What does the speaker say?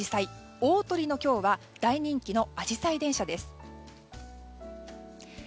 大トリの今日は大人気のあじさい電車です。